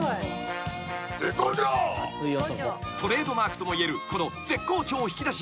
［トレードマークともいえるこの「絶好調」を引き出し